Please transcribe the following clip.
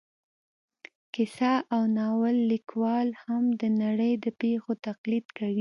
کیسه او ناول لیکوال هم د نړۍ د پېښو تقلید کوي